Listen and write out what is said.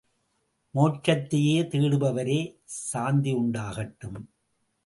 மோட்சத்தைத் தேடுபவரே சாந்தியுண்டாகட்டும்!